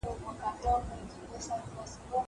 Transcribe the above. زه کتابونه ليکلي دي.